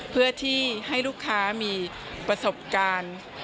เพื่อที่ให้ลูกค้ามีประสบการณ์